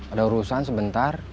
ada urusan sebentar